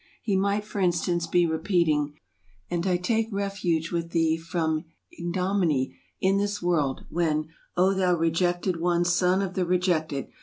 He might, for instance, be repeating "and I take refuge with thee from ignominy in this world," when, " O thou rejected one, son of the rejected!